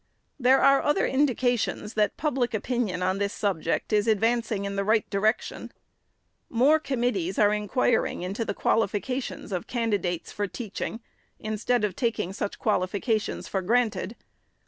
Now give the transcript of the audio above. There are other indications, that public opinion on this subject is advancing in the right direction. More com mittees are inquiring into the qualifications of candidates for teaching, instead of taking such qualifications for granted.